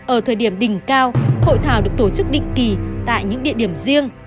ở thời điểm đỉnh cao hội thảo được tổ chức định kỳ tại những địa điểm riêng